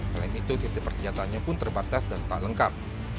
selain itu sisi perjataannya pun terbatas dan tak lengkap